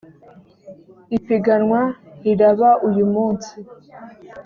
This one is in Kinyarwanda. ipiganwa riraba uyumunsi.